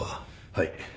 はい。